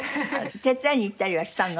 手伝いに行ったりはしたの？